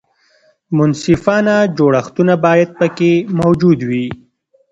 منصفانه جوړښتونه باید پکې موجود وي.